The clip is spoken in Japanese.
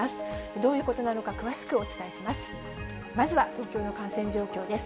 どういうことなのか、詳しくお伝えします。